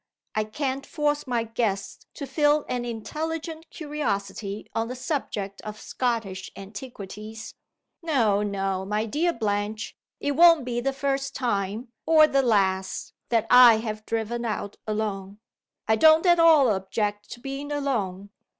I can't force my guests to feel an intelligent curiosity on the subject of Scottish Antiquities. No! no! my dear Blanche! it won't be the first time, or the last, that I have driven out alone. I don't at all object to being alone.